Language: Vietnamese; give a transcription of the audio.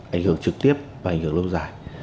ảnh hưởng trực tiếp và ảnh hưởng lâu dài